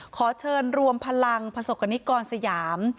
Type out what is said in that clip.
ขอเชิญรวมพลังประสบกรณิกรสยาม